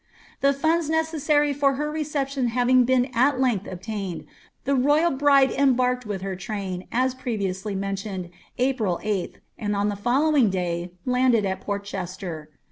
The funds necessary for her reception having been at length obtained, the royal bride enibarkcd with her train, as pieviously mentioned, .\pril 8th« and on the following day landed at Porchester.